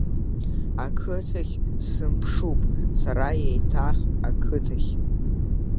Ақыҭахь сымшуп сара еиҭах, ақыҭахь!